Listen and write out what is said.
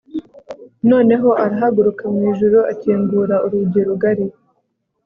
noneho arahaguruka mu ijuru, akingura urugi rugari